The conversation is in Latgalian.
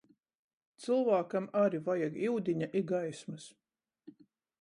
Cylvākam ari vajag iudiņa i gaismys.